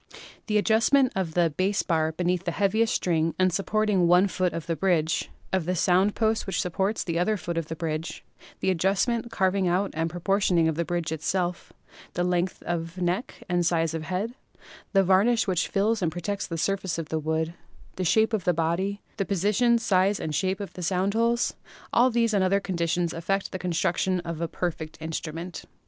The adjustment of the bass bar beneath the heaviest string and supporting one foot of the bridge; of the sound post which supports the other foot of the bridge; the adjustment, carving out and pro portioning of the bridge itself ; the length of neck and size of head; the varnish which fills and protects the surface of the wood ; the shape of the body ; the position, size and shape of the sound holes — all these and other conditions affect the construction of a perfect instrument.